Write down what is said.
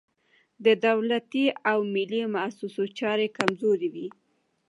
د دولتي او ملي موسسو چارې کمزورې وي.